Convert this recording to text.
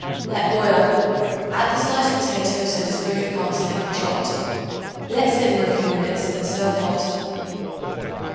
Let boil up. Add the sliced potatoes and a sprig of parsley chopped. Let simmer a few minutes and serve hot.